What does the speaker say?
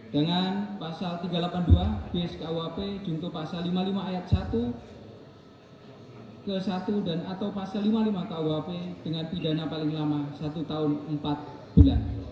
dengan pasal tiga ratus delapan puluh dua b skuap junto pasal lima puluh lima ayat satu ke satu dan atau pasal lima puluh lima kuhp dengan pidana paling lama satu tahun empat bulan